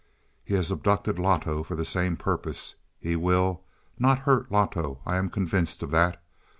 "He has abducted Loto for the same purpose. He will not hurt Loto I am convinced of that.